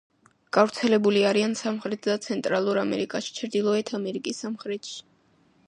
გავრცელებული არიან სამხრეთ და ცენტრალურ ამერიკაში, ჩრდილოეთ ამერიკის სამხრეთში.